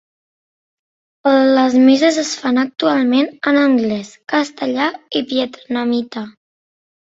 Les misses es fan actualment en anglès, castellà i vietnamita.